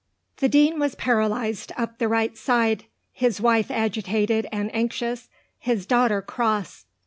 The Dean was paralysed up the right side, his wife agitated and anxious, his daughter cross.